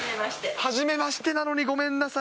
初めましてなのにごめんなさい。